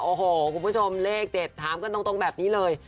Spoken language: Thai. โอ้โหคุณผู้ชมเลขเด็ดถามกันตรงแบบนี้เลย